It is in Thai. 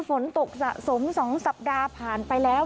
ฝนตกสะสม๒สัปดาห์ผ่านไปแล้ว